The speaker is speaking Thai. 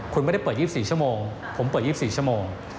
คุณไม่ได้เปิด๒๔ชั่วโมงผมเปิด๒๔ชั่วโมง